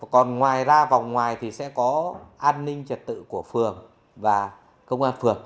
còn ngoài ra vòng ngoài thì sẽ có an ninh trật tự của phường và công an phường